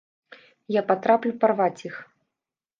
Я патраплю парваць іх.